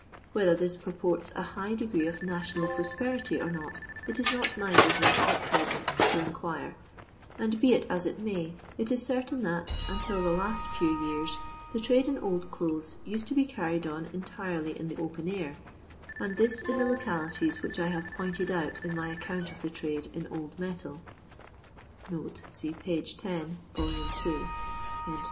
Whether this purports a high deoree of national prosperity or not, it is not my bosineis at present to inquire, and be it as it may, it is certain that, until the Ust few years, the toade in old clothes used to be carried on entirely in the open air, and this in the localities which I have pointed oat in my account of the trade in old metal (p. 10, toI. ii.)